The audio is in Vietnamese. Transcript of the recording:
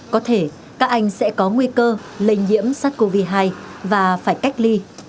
có thể các anh sẽ có nguy cơ lây nhiễm sát covid hai và phải cách ly